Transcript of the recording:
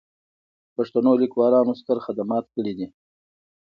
پښتنو لیکوالانو ستر خدمات کړي دي.